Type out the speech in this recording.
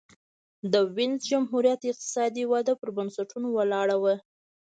د وینز جمهوریت اقتصادي وده پر بنسټونو ولاړه وه.